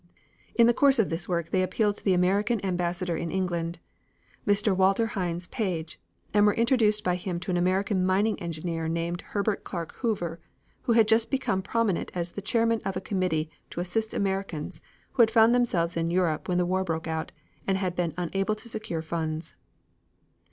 In the course of this work they appealed to the American Ambassador in England, Mr. Walter Hines Page, and were introduced by him to an American mining engineer named Herbert Clark Hoover, who had just become prominent as the chairman of a committee to assist Americans who had found themselves in Europe when the war broke out, and had been unable to secure funds.